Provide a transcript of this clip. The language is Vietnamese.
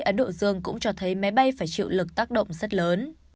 ấn độ dương cũng cho thấy máy bay phải chịu lực tác động rất lớn